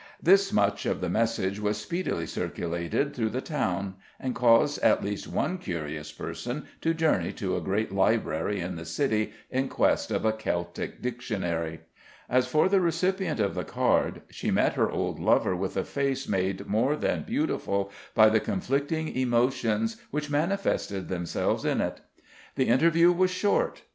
This much of the message was speedily circulated through the town, and caused at least one curious person to journey to a great library in the city in quest of a Celtic dictionary. As for the recipient of the card, she met her old lover with a face made more than beautiful by the conflicting emotions which manifested themselves in it. The interview was short.